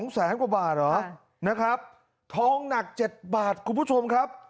แสนกว่าบาทเหรอนะครับทองหนัก๗บาทคุณผู้ชมครับ